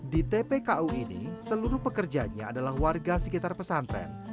di tpku ini seluruh pekerjanya adalah warga sekitar pesantren